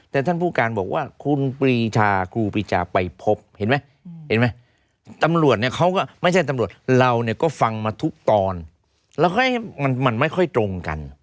แต่ท่านผู้การบอกว่าคุณปรีชาครูปรีชาไปพบเห็นไหมเห็นไหมตำรวจเนี่ยเขาก็ไม่ใช่ตำรวจเราเนี่ยก็ฟังมาทุกตอนแล้วก็ให้มันไม่ค่อยตรงกัน